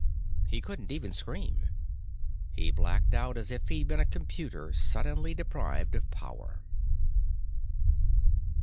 He couldn't even scream. He blacked out as if he'd been a computer suddenly deprived of power.